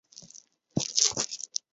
搭挡是藤森慎吾。